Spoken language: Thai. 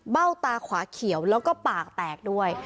ตาขวาเขียวแล้วก็ปากแตกด้วย